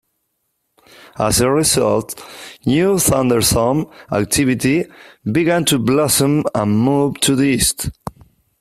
As a result, new thunderstorm activity began to blossom and move to the east.